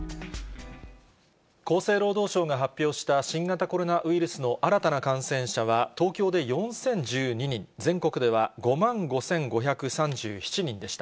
厚生労働省が発表した新型コロナウイルスの新たな感染者は、東京で４０１２人、全国では５万５５３７人でした。